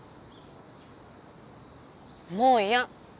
もういや！